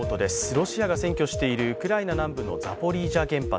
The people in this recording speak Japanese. ロシアが占拠しているウクライナ南部のザポリージャ原発。